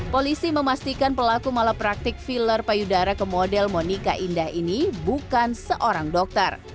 polisi memastikan pelaku malah praktik filler payudara ke model monica indah ini bukan seorang dokter